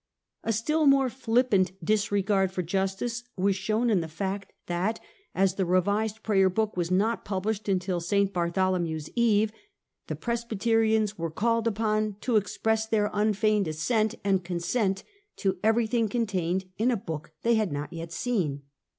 A still more flippant disregard for justice was shown in the fact that, as the revised Prayer Book was not published until St. Bartholomew's Eve, the Presbyterians were called upon to express their 'un feigned assent and consent * to everything contained in a book they had not yet seen.